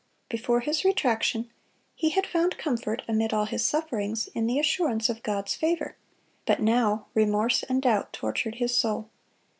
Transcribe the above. Before his retraction he had found comfort, amid all his sufferings, in the assurance of God's favor; but now remorse and doubt tortured his soul.